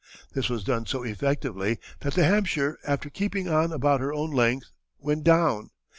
This was done so effectively that the Hampshire, after keeping on about her own length, went down.